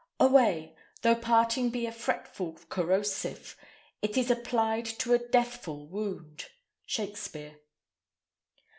Away! though parting be a fretful corrosive, It is applied to a deathful wound. Shakspere.